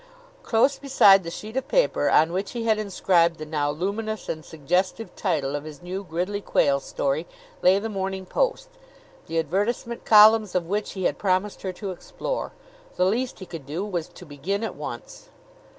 Close beside the sheet of paper on which he had inscribed the now luminous and suggestive title of his new Gridley Quayle story lay the Morning Post, the advertisement columns of which he had promised her to explore. The least he could do was to begin at once.